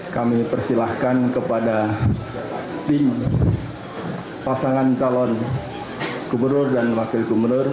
kami persilahkan kepada tim pasangan calon gubernur dan wakil gubernur